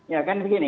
ya kan begini